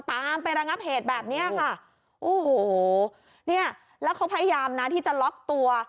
ตามไประงับเหตุแบบเนี้ยค่ะโอ้โหเนี่ยแล้วเขาพยายามนะที่จะล็อกตัว